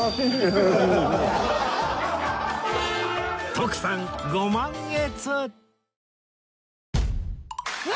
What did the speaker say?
徳さんご満悦